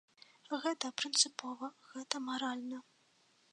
Гэта прынцыпова, гэта маральна.